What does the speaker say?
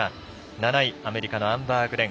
７位、アメリカのアンバー・グレン。